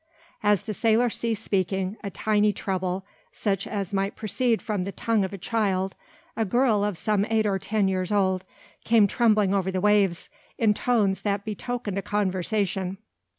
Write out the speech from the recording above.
As the sailor ceased speaking, a tiny treble, such as might proceed from the tongue of a child, a girl of some eight or ten years old, came trembling over the waves, in tones that betokened a conversation.